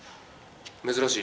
珍しい。